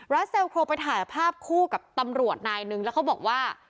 เซลโคไปถ่ายภาพคู่กับตำรวจนายนึงแล้วเขาบอกว่า